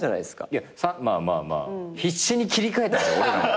いやまあまあまあ必死に切り替えたんです俺らも。